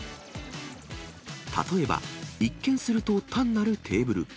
例えば、一見すると、単なるテーブル。